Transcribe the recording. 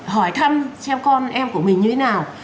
hỏi thăm xem con em của mình như thế nào